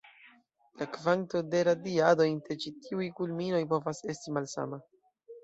La kvanto de radiado inter ĉi tiuj kulminoj povas esti malsama.